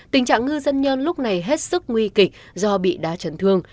tình trạng ngư dân nhân lúc này hết sức nguy kịch do bị đá chấn thương